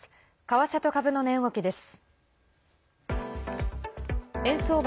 為替と株の値動きです。